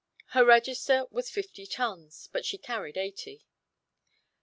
Her register was fifty tons, but she carried eighty.